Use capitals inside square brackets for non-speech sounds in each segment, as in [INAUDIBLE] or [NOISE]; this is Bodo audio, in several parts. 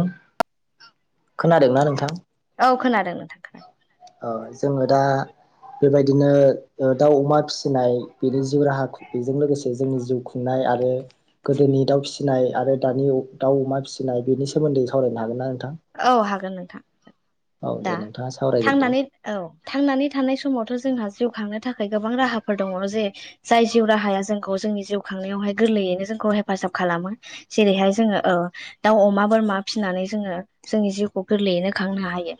[UNINTELLIGIBLE] खोनादोंना नोंथां? औ खोनादों नोंथां। ओ जोंङो दा। बेबादिनो ओ दाउ-अमा फिसिनाय बेनि जिउ राहा बेजों लोगोसे जोंनि जिउ खुंनाय। आरो गोदोनि दाउ फिसिनाय आरो दानि दाउ-अमा फिसिनाय बेनि सोमोन्दै सावरायनो हागोन ना? [UNINTELLIGIBLE] औ हागोन नोंथां। औ दा दे नोंथाङा सावरायग्रोदो थांनानै औ थांनानै थानाय समावथ' जोंहा जिउ खांनो। थाखाय गोबां राहाफोर दंङ जे जाय जिउ राहाया जोंखौ जोंनि जिउ खांनायावहाय गोरलैयैनो जोंखौ हेफाजाब। [UNINTELLIGIBLE] खालामो जेरैहाय जोङो अ दाउ, अमा, बोरमा फिनानै जोंङो जोंनि जिउखौ गोरलैयैनो खांनो हायो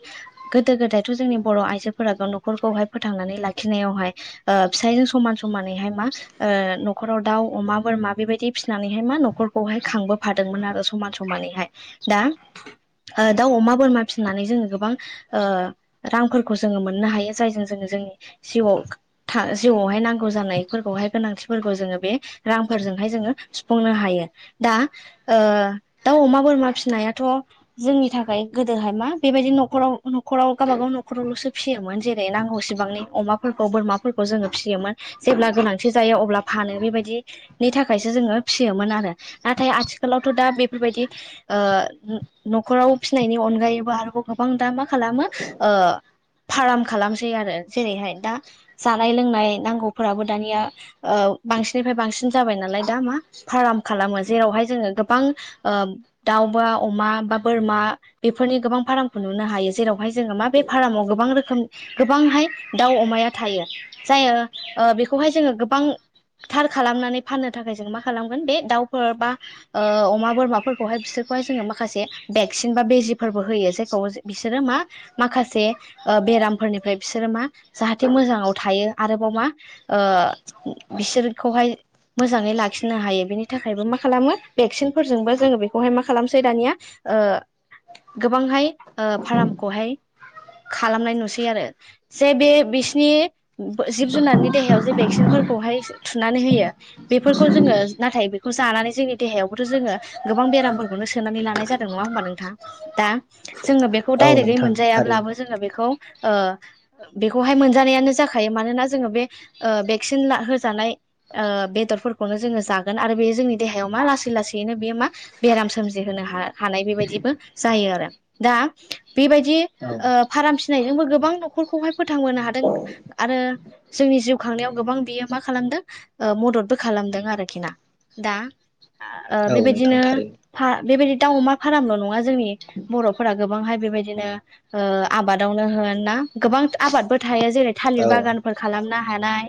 गोदो गोदायथ' जोंनि बर' आइजोफोरा ग न'खरखौहाय फोथां [UNINTELLIGIBLE] लाखिनायावहाय ओ फिसायजों समान-समानैहाय मा ओ नखर'आव दाउ, अमा, बोरमा बेबायदि फिनानैहाय मा न'खरखौहाय खांबोफादोंमोन आरो समान समानैहाय दा ओ दाउ, अमा, बोरमा फिननानै जोंङो गोबां ओ रांफोरखौ जोंङो मोननो हायो जायजों जोंङो जोंनि जिउ आव था जिउआवहाय नांगौ जानायफोरखौहाय गोनांथिफोरखौ जोंङो बे रांफोर [UNINTELLIGIBLE] जोंङो सुफुंनो हायो दा ओ दाउ, अमा बोरमा फिसिनायाथ' जोंनि थाखाय गोदोहाय मा बेबायदि न'खराव न'खराव गावबागाव न'खरावल'सो फियामोन जेरै नांगौसिम, सेबांनि अमाफोरखौ बोरमाफोरखौ जोङो फिसियोमोन जेब्ला गोनांथि जायो अब्ला फानो बेबायदिनि नि थाखायसो जोंङो फिसियोमोन आरो नाथाय आथिखालावथ' दा बेफोरबायदि ओ। न'खराव फिसिनायनि अनगायैबो आरोबाव गोबां दा मा खालामो ओ फार्म खालामसै आरो जेरैहाय दा जानाय-लोंनाय नांगौफोराबो दानिया ओ बांसिनिफ्राय बांसिन जाबाय नालाय दा मा फार्म खालामो जेरावहाय जोंङो गोबां ओ दाउबा अमा बा [UNINTELLIGIBLE] बोरमा बेफोरनि गोबां फार्मखौ नुनो हायो जेरावहाय जोंङो मा बे फार्मआव गोबां रोखोमनि गोबांहाय । दाउ, अमाया थायो जायो ओ बेखौहाय जोंङो गोबां थार खालामनानै फाननो थाखाय जों मा खालामगोन बे दाउफोर बा ओ अमा बोरमाफोरखौहाय बिसोर [UNINTELLIGIBLE] जोंङो माखासे भेक्सिन बा बेजिफोरबो होयो जायखौ बिसोरो मा माखासे ओ बेरामफोरनिफ्राय बिसोरो मा जाहाथे मोजांङाव थायो आरोबाव मा ओ बिसोरखौहाय मोजांङै लाखिनो हायो बेनि थाखायबो मा खालामो भेक्सिनफोरजोंबो जोंङो बेखौहाय मा खालामसै दानिया ओ गोबांहाय फार्मखौहाय खालामनाय नुसै आरो जे बे बिसिनि जिब जुनारनि देहायाव जे भेक्सिनफोर खौहाय थुनानै होयो बेफोरखौ जोंङो नाथाय बेखौ जानानै जोंनि देहायावबोथ जोंङो गोबां बेरामफोरखौनो सोनानै लानाय ज जादों नंङा होनबा नोंथां दा जोंङो बेखौ औ डायरेकयै नोंथां मोनजायाब्लाबो थारैनो जोंङो बेखौ ओ बेखौहाय मोनजानायानो जाखायो मानोना जोङो बे ओ बे भेक्सिन होजानाय ओ बेदरफोरखौनो जोंङो जागोन आरो बे जोंनि देहायाव मा लासै-लासैनो बेयो मा बेराम सोमजिहोनो हा हानाय बेबायदिबो जायो आरो दा बेबायदि औ ओ फाराम फिसिनायजोंबो गोबां न'खर नखरखौहाय फोथांबोनो हादों आरो जोंनि जिउ खांनायाव गोबां बियो मा खालामदों ओ म औ नोंथां थारैनो [UNINTELLIGIBLE] मदत ब दाउ, अमा फारामल नंङा जोंनि बर'फोरा गोबांहाय बेबायदिनो ओ आबादावनो होन ना गोबां आबादबो थायो जेरै थालिर औ बागानफोर खालामनो हानाय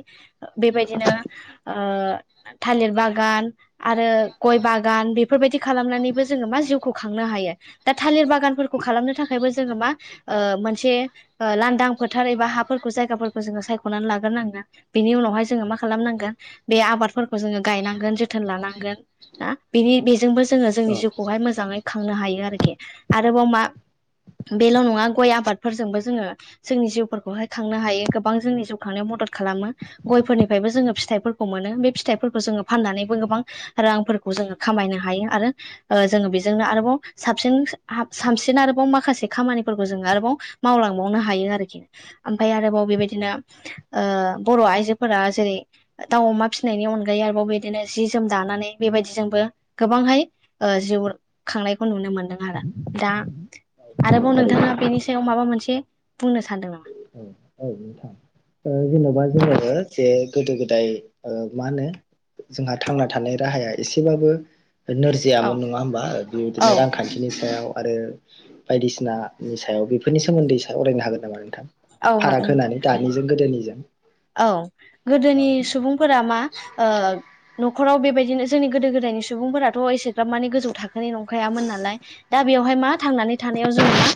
बेबायदिनो [UNINTELLIGIBLE] थालिर बागान आरो गय बागान बेफोरबायदि खालामनानैबो जोङो मा जिउखौ खांनो हायो दा थालिर बागानफोरखौ खालामनो थाखायबो जोङो मा मोनसे लांदां फोथार एबा हाफोरखौ जायगाफोरखौ जोङो सायख'नानै लाग्रोनांगा बिनि उनावहाय जोङो मा खालामनांगोन बे आबादफोरखौ जोङो गायनांगोन जोथोन लानांगोन ना बेनि बेजोंबो जोङो जोंनि औ जिउ बेहाय मोजाङै खांनो हायो आरोखि आरोबाव मा बेल' नङा गय आबादफोरजोंबो जोङो जोंनि जिउफोरखौहाय खांनो हायो गोबां जोंनि जिउ खांनायाव मदद खालामो गयफोरनिफ्रायबो जोङो फिथाइफोरखौ मोनो बे फिथाइफोरखौ जोङो फाननानैबो गोबां रां जोङो खामायनो हायो आरो जोङो बेजोंनो आरोबाव साबसि साबसिन आरोबाव माखासे खामानिफोरखौ जों आरोबाव मावला लांबावनो हायो आरोखि ओमफ्राय आरोबाव बेबायदिनो बर' आइजोफोरा जेरै दाउ अमा फिसिनायनि अनगायै आरोबाव बिदिनो जि जोम दानानै बेबायदिजोंबो गोबांहाय जिउ खांनायखौ नुनो मोनदों आरो दा आरोबाव थारैनो नोंथाङा बेनि सायाव माबा मोनसे बुंनो सानदों नामा औ जेन'बा जोङो जे गोदो गोदाय मा होनो जोंहा थांना थानाय राहाया एसेबाबो औ नोरजियामोन नङा होमबा औ बेबायदिनो रांखान्थिनि सायाव आरो बायदिसिनानि सायाव बेफोरनि सोमोन्दै सावरायनो हागोन नामा नोंथां औ हागोन फाराग नोंथां होनानै दानिजों गोदोनिजों औ गोदोनि सुबुंफोरा मा न'खराव बेबायदिनो जोंनि गोदो गोदायनि सुबुंफोराथ' एसेग्राब माने गोजौ थाखोनि नंखायामोन नालाय दा बे यावहाय मा थांनानै थानायाव जोङो मा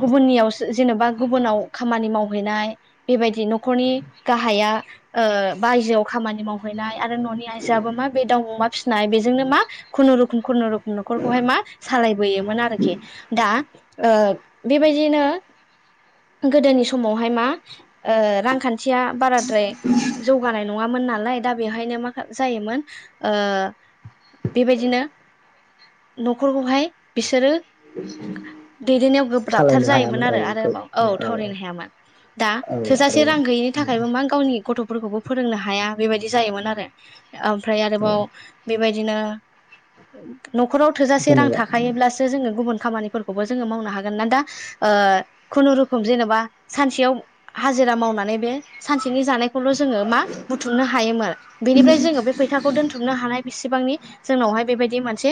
गुबनि जेनेबा गुबुनाव खामानि माव बेबायदि न'खरनि गाहाया बायजोआव खामानि मावहैनाय आरो न'नि आइजोआआबो मा बे दाव मा फिसिनाय बेजोंनो मा खुनुरुखुम खुनुरुखुम न'खरखौहाय मा सालायबोयोमोन आरोखि दा बेबायदिनो गोदोनि समावहाय मा रां खान्थिया बाराद्राय जौगानाय नङामोन नालाय दा बेवहायनो मा जायोमोन बेबायदिनो न'खरखौहाय बिसोरो दैदेननायाव गोब्राबथार सालायनो जायोमोन हायामोन औ आरोबाव औ थावरायनो हायामोन दा औ आरो थोजासे रां गैयिनि थाखायबो मा गावनि गथ'फोरखौबो फोरोंनो हाया बेबायदि जायोमोन आरो ओमफ्राय औ आरोबाव बेबायदिनो न'खराव थोजासे रां जेनेबा थाखायोब्लासो जोङो गुबुन खामबो जोङो मावनो हागोन ना दा खुनुरुखुम जेनेबा सानसेयाव हाजिरा मावनानै सानसेनि जानाय खौल जों मा बुथुमनो हायोमोन बेनिफ्राय जोङो बे फैसाखौ दोनथुमनो हानाय बेसेबांनि जोंनावहाय बेबायदि मोनसे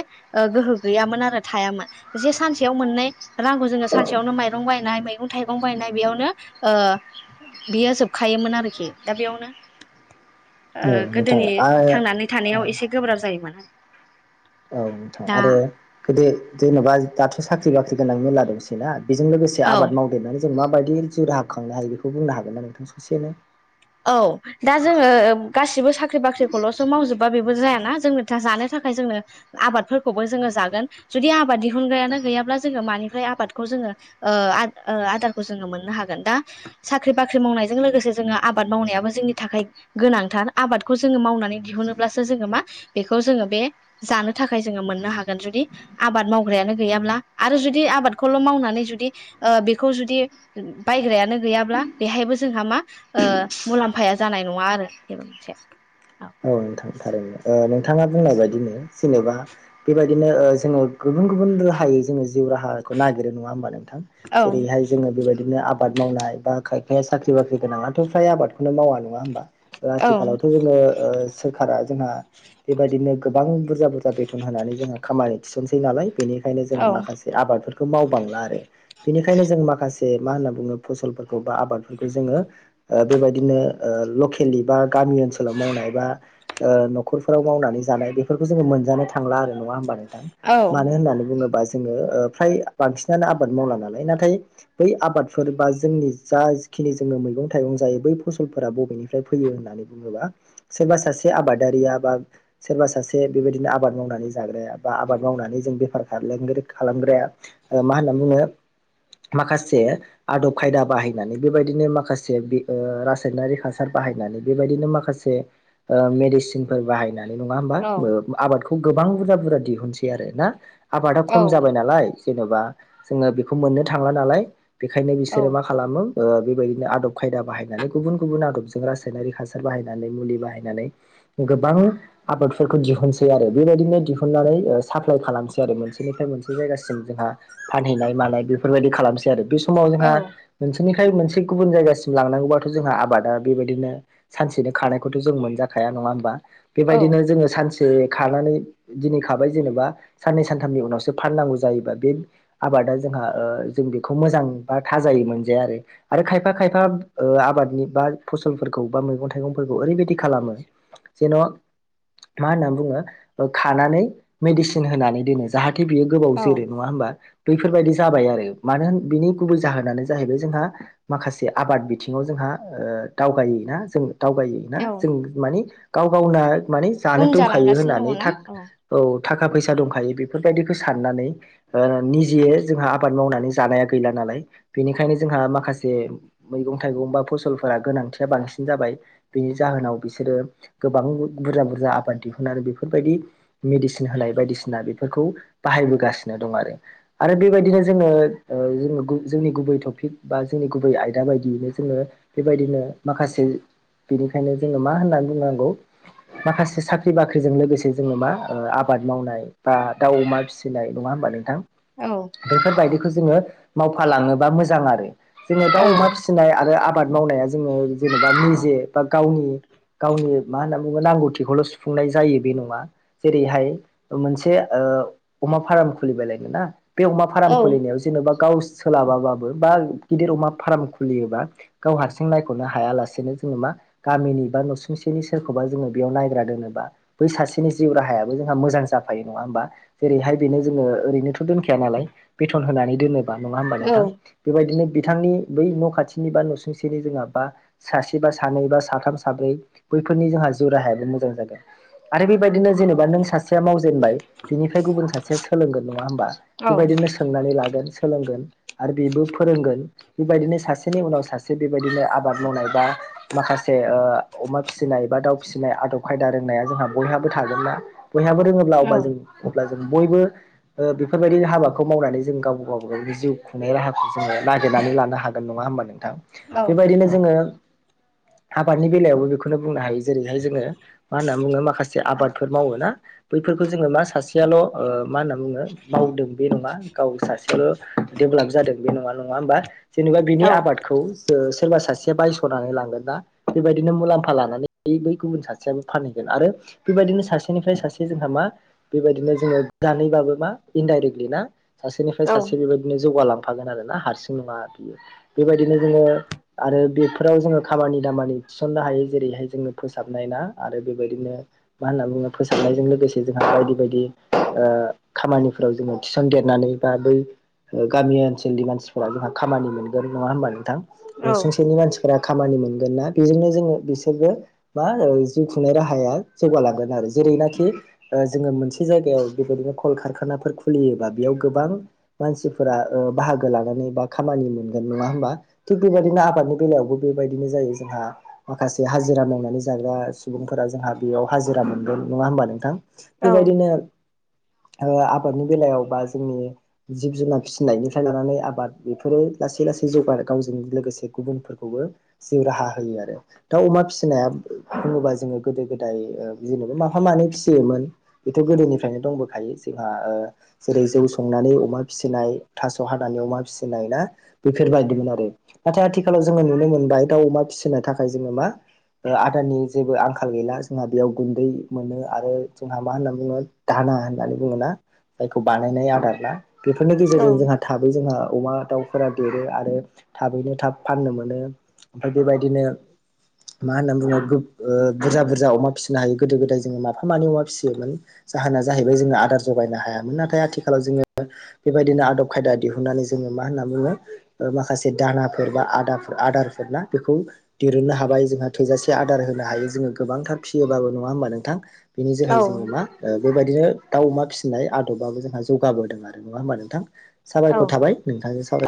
गोहो गैयामोन आरो थायामोन बे सानसेयाव मोननाय रांखौ जोङो सानसेयावनो माइरं बायनाय मैगं थाइगं बायनाय बेयावनो [UNINTELLIGIBLE] बियो जोबखायोमोन आरोखि दा बेयावनो औ नोंथां गोदोनि आरो थांनानै थानायाव एसे गोब्राब जायोमोन औ दा आरो गोदो जेन'बा दाथ' साख्रि बाख्रि गोनां मेरला दंसैना । बेजों लोगोसे औ आबाद मावदेरनानै जों माबायदि जिउ राहा खांनो हायो बेखौ बुंनो हागोन ना नोंथां ससेनो औ दा जोङो गासिबो साख्रि बाख्रिखौल'सो मावजोबा जाया ना जोंनो जानो थाखाय जोंनो आबादफोरखौबो जोङो जागोन जुदि आबाद दिहुन ग्रायानो गैयाब्ला मानिफ्राय आबाद खौ जोङो ओ आदारखौ जोङो मोननो हागोन दा साख्रि बाख्रि मावनायजों लोगोसे जोंहा आबाद मावनायाबो जोंनि थाखाय गोनांथार आबादखौ जोङो मावनानै दिहुनोब्लासो जोङो मा बेखौ जोङो बे जानो थाखाय जोङो मोननो हागोन जुदि आबाद मावग्रायानो गैयाब्ला आरो जुदि आबादखौल' मावनानै जुदि बेखौ जुदि बायग्रायानो गैयाब्ला बेहायबो जोंहा मा मुलाम्फाया जानाय नङा आरो बेबो मोनसे औ नोंथाङा बुंनाय बायदिनो जेनेबा बेबायदिनो जोङो गुबुन गुबुन राहायै जोङो जिउ राहाखौ नागिरो नङा होमबा नोंथां औ जेरैहाय जोङो बेबायदिनो आबाद मावनाय बा खाय फाया साख्रि बाख्रि गोनाङथ' फ्राय आबादखौनो मावा नङा होनोमबा? औ आथिखालावथ' जोङो ओ सोरखारा जोंहा बेबायदिनो गोबां बुरजा बुरजा बे बेथोन होनानै जोंहा खामानि थिसनसै नालाय बेनिखायनो जों औ माखासे आबादफोर खौ मावबांला आरो बेनिखायनो जों माखासे मा होनना बुङो फसलफोरखौ बा आबादफोरखौ जोङो ओ बेबायदिनो ओ लकेलि बा गामि ओनसोलाव मावनाय बा ओ न'खरफोराव मावनानै जानाय बेफोरखौ जोङो मोनजानाय थांला आरो नङा होमबा नों थां। औ मानो होननानै बुङोबा जोङो ओ फ्राय बांसिनानो आबाद मावला नालाय नाथाय बै आबादफोर बा जोंनि जा खिनि जोङो मैगं थाइगं जायो बै फसलफोरा बबेनिफ्राय फैयो होननानै बुङोबा सोरबा सासे सासे आबादारिया बा सोरबा सासे बेबायदिनो आबाद मावनानै जाग्राया बा आबाद मावनानै जों बेफार खालाम लामगिर खालामग्राया मा होनना बुङो। माखासे आदब खायदा बाहायनानै बेबायदिनो माखासे ओ रासायनारि हासार बाहायनानै बेबादिनो माखासे ओ मेडिसिनफोर बाहायनानै नङा होमबाथ औ ओ आबादखौ खौ गोबां बुरजा बुरजा दिहुनसै आरो ना आबादा खम जाबाय नालाय जेनेबा जोङो बेखौ मोननो थांला नालाय बेखायनो बिसोरो मा खालामो ओ बेबायदिनो आदब खायदा बाहायनानै गुबुन गुबुन आदबजों रासायनारिक हासार बाहायनानै मुलि बाहाय नानै गोबां आबादफोरखौ दिहुनसै आरो बेबायदिनो दिहुननानै साप्लाइ खालामसै। मोनसेनिफ्राय मोनसे जायगासिम जोंहा फानहैनाय मानाय बेफोरबायदि खालामसै आरो। बे समाव औ जोंहा नोंसोरनि नाथाय मोनसे गुबुन जायगासिम लांनांगौाथ' जोंहा आबादा बेबायदिनो सानसेनो खारानायखौथ' जों मोन जाखाया नङा होमबा बेबायदिनो जोङो सानसे खानानै दिनै खाबाय जेनेबा साननै सानथामनि उनावसो फाननांगौ जायोबा बे आबाद आदा जोंहा‌ ओ जों बेखौ मोजां बा थाजायै मोनजाया आरो। क्षआरो खायफा खाया आबादनि बा फसलफोरखौ बा मैं थाइगंफोरखौ ओरैबायदि खालामो जेन' मा होननानै बुङो खानानै मेडिसिन होनानै दोनो जाहा थे बियो गोबाव औ जोरो नङा होनोमबा? बैफोरबायाददि जाबाय आरो मानो होन बिनि गुबै जाहोनानो जाहैबाय जोंहा माखासे आबाद बिथिङाव जोंहा जोंहा दावगायैना जों दावगायै ना औ जों मानि गाव गावना माने जानो उन दंखायो जालांगासिनो होननानै दङना थाख औ। थाखा फैसा दंखायो बेफोरबायदिखौ साननानै ओ निजेयै जोंहा आबाद मावनानै जानाया गैला ना नालाय बेनिखायनो जोंहा माखासे मैगं थाइगं बा फसलफोरा गोनांथिया बांसिन जाबाय बेनि जाहोनाव बिसोरो गोबां बुरजा बुरजा आबाद दिहुननानै बेफोरबायदि मेडिसिन होनाय बायदिसिना बे फोरखौ बाहायबोगासिनो दं आरो आरो बेबायदिनो जोङो जो जोंनि गुबै टपिक बा जोंनि गुबै आयदा बायदियैनो जोङो बेबायदिनो माखासे बेनिखायनो जोङो मा होननानै बुंनांगौ? माखासे साख्रि बाख्रिजों लोगोसे जोङो मा आबाद मावनाय बा दाउ अमा फिसिनाय नङा होनबा नोंथां औ बेफोरबायदिखौ जोङो मावफालाङोबा मोजां आरो। जोङो औ दाउ अमा फिसिनाय आरो आबाद मावनाया जोङो जेनेबा निजे बा गावनि गावनि मा होनना नांगौथिखौल' सुफुंनाय जायो बे नङा जेरैहाय मोनसे अमा फार्म खुलिबालायनो ना बे अमा फार्म औ खुलिनायाव जेन'बा गाव सोलाबाबाबो बा गिदिर अमा फार्म खुलियोबा गाव हारसिं नायख'नो हायालासेनो जो मा गामिनि बा नसुंसेनि सोरखौबा जोङो बेयाव नायग्रा दोनोबा बै सासेनि जिउ राहायाबो जोंहा मोजां जाफायो नङा होन बा। जेरैहाय बेनो जोङो ओरैनोथ' दोनखाया नालाय बेथन होनानै दोनो। बा नङा हबा औ नोंथां बेबायदिनो बिथांनि बै न' खाथिनि बा न'सुंसेनि जोंहाबा सासे बा सानै बा साथाम बैफोरनि जोंहा जिउ राहायाबो मोजां जागोन आरो बेबायदि नो जेनेबा नों सासेया मावजेनबाय बिनि ओमफ्राय गुबुन सासेया सोलोंगोन नङा होमबा औ बेबायदिनो सोंनानै लागोन सोलोंगोन आरो बेबो फोरोंगोन बेबायदिनो सासेनि उनाव सासे बेबायदिनो आबाद मावनाय बा माखासे माखासे अमा फिसिनाय एबा दाउ फिसिनाय आदब खायदा रोंनाया जोंहा बयहाबो थागोन ना बयहाबो रोङोब्ला अब्ला जों बयबो बेफोरबायदि हाबाखौ मावनानै जों गाव गाव गावनि जिउ खुंनाय राहाखौ जोङो नागनानै ल हागोन ना ह नोंथां बेबायदिनो जोङो आबादनि बेलायावबो बेखौनो बुंनो हायो जेरैहाय जोङो मा होनना बुङो माखासे आबादफोर मावो ना बैफोरखौ जों मा सासेयाल'ओ मा होनना बुङो मावदों बे नङा गाव सासेयाल' देभेलप जादों बे नङा नङा होमबा जेनेबा बिनि आबादखौ सोरबा सासेया बायस'नानै लांगोन ना बेबायदिनो मुलाम्फा लानानै बै गुबुन सासेयाबो फानहैगोन आरो बेबायदिनो सासेनिफ्राय सासे जोंहा मा बेबायदिनो जोङो दानैबाबो मा इनडाइरेक्टलि ना सासेनिफ्राय सासे बेबायदिनो जौगालां थांफागोन आरो ना हारसिं नङा बियो बेबायदिनो जोङो आरो बेफोराव जोङो खामानि दामानि थिसननो हायो जेरैहाय जोङो फोसाबनाय ना आरो बेबायदिनो मा होनना बुङो फोसाबनायजों लोगोसे जोंहा बायदि बायदि खामानिफोराव जोङो थिसनदेरनानै बा बै गामि ओनसोलनि मानसिफोरा जोंहा खामानि मोनगोन नङा होनबा नोंथां न'सुंसेनि मानसिफोरा खामानि मोनगोन ना बेजोंनो जोङो बिसोरबो मा जिउ खुंनाय राहाया जौगालांगोन आरो जेरैनाखि जोङो मोनसे जायगायाव बेबायदिनो कलकारखानाफोर खुलियोबा बेयाव गोबां मानसिफोरा बाहागो लानानै बा खामानि मोनगोन नङा होमबा थिग बेबायदिनो आबादनि बेलायावबो बेबायदिनो जायो जोंहा माखासे हाजिरा मावनानै जाग्रा सुबुंफोरा जोंहा बेयाव हाजिरा मोनगोन नङा होमबा नोंथां बेबायदिनो आबादनि बेलायाव बा जोंनि जिब जुनार फिसिनायनिफ्राय लानानै आबाद बेफोरो लासै लासै जौगानाय गावजों लोगोसे गुबुनफोरखौबो जिउ राहा होयो आरो दा अमा फिसिनाया होनोबा जोङो गोदो गोदाय जेनेबा माफा मानै फिसियोमोन बेथ' गोदोनिफ्रायनो दंबोखायो जोंहा ओ जेरै जौ संनानै अमा फिसिनाय थास' हानानै अमासिनाय ना बेफोरबायदिमोन आरो नाथाय आथिखालाव जोङो नुनो मोनबाय दाउ अमा फिसिनो थाखाय जोङो मा आदारनि जेबो आंखाल गैला जोंहा बेयाव गुन्दै मोनो आरो जोंहा मा होनना बुङो दा ना होननानै बुङा जायखौ बानायनाय आदार ना बेफोरनि गेजेरजों जोंहा थाबै जोंहा अमा दाउफोरा देरो आरो थाबैनो थाब फाननो मोनो ओमफ्राय बेबायदिनो [UNINTELLIGIBLE] [INAUDIBLE] मा होनना बुङो बुरजा बुरजा अमा फिसिनो हायो गोदो गोदाय जोङो माफा मानि अमा फिसियोमोन जा होना जैबाय ज आदार जगायनो हायामोन नाथाय आथिखालाव जोङो बेबायदिनो आदब खायदा दिहुननानै जों मा होनो होनना बुङो माखासे दानाफोर बा आदार आदारफोर ना बेखौ दिरुननो हाबाय जोंहा थोजासे आदार होनो हायो जोङो गोबांथार फियोबाबो नङा होमबा नोंथां बेनि जोहै जोङो मा बेबायदि बिदिनो दाउ अमा फिसिनाय आदबाबो जोंहा जौगाबोदों आरो नङा होमबा नोंथां औ औ साबायखर थाबाय नोंथांजों साव औ